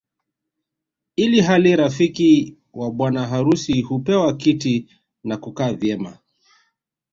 Ili hali rafiki wa bwana harusi hupewa kiti na hukaa vyema